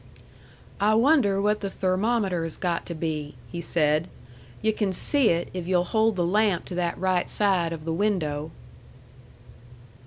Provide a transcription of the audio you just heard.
"I wonder what the thermometer has got to be," he said. "Yu' can see it, if yu'll hold the lamp to that right side of the window."